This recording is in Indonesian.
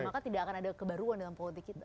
maka tidak akan ada kebaruan dalam politik kita